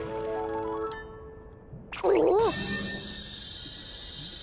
おっ！